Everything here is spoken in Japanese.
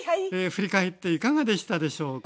振り返っていかがでしたでしょうか？